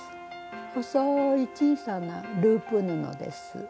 細い小さなループ布です。